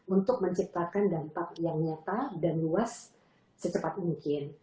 untuk menciptakan dampak yang nyata dan luas secepat mungkin